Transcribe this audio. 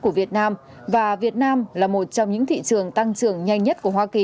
của việt nam và việt nam là một trong những thị trường tăng trưởng nhanh nhất của hoa kỳ